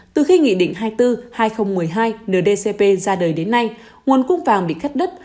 từ khi nghị định hai mươi bốn hai nghìn một mươi hai nửa dcp ra đời đến nay nguồn cung vàng bị khắt đất